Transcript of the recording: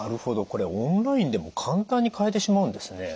これオンラインでも簡単に買えてしまうんですね。